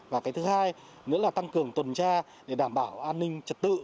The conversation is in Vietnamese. và cái thứ hai nữa là tăng cường tuần tra để đảm bảo an ninh trật tự